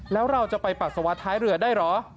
แล้วเราจะไปปัสสาวะท้ายเรือได้เหรอ